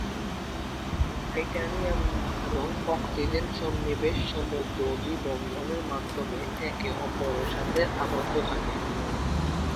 Titanium এবং oxygen সন্নিবেশ সমযোজী বন্ধনের মাধ্যমে একে অপরের সাথে আবদ্ধ থাকে।